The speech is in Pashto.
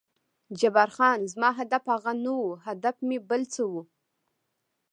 جبار خان: زما هدف هغه نه و، هدف مې بل څه و.